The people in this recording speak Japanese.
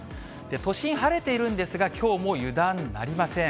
都心晴れているんですが、きょうも油断なりません。